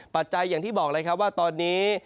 ปัจจัยอย่างที่บอกเลยครับว่าตอนนี้